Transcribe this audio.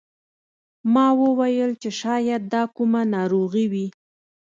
ما وویل چې شاید دا کومه ناروغي وي.